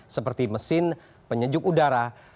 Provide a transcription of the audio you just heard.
seperti mesin penyejuk udara